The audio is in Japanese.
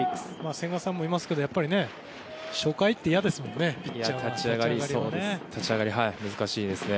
千賀さんもいますけどやっぱり初回っていやですよね。